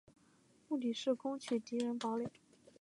目的是攻取敌人堡垒。